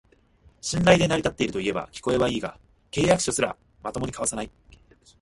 信頼で成り立ってるといえば聞こえはいいが、契約書すらまともに交わさない